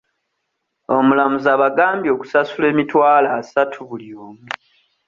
Omulamuzi abagambye okusasula emitwalo asatu buli omu.